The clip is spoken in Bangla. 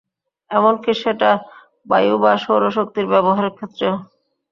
এমনকি সেটা বায়ু বা সৌরশক্তির ব্যবহারের ক্ষেত্রেও।